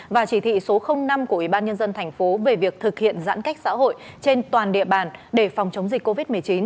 và chỉ thị số năm của ủy ban nhân dân thành phố về việc thực hiện giãn cách xã hội trên toàn địa bàn để phòng chống dịch covid một mươi chín